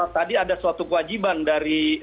tadi ada suatu kewajiban dari